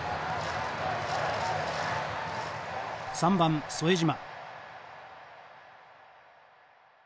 ３番副島。